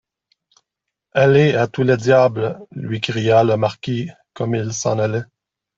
Allez à tous les diables, lui cria le marquis comme il s'en allait.